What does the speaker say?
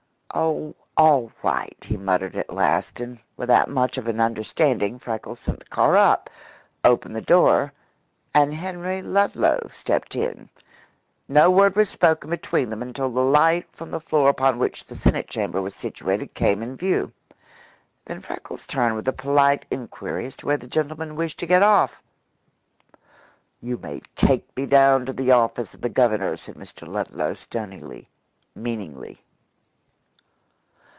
"Oh all right," he muttered at last, and with that much of an understanding Freckles sent the car up, opened the door, and Henry Ludlow stepped in. No word was spoken between them until the light from the floor upon which the Senate Chamber was situated came in view. Then Freckles turned with a polite inquiry as to where the gentleman wished to get off. "You may take me down to the office of the Governor," said Mr. Ludlow stonily, meaningly.